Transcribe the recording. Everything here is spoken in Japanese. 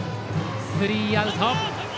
スリーアウト。